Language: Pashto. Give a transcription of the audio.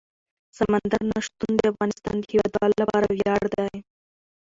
سمندر نه شتون د افغانستان د هیوادوالو لپاره ویاړ دی.